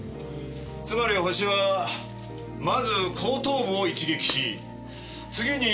つまりホシはまず後頭部を一撃し次に。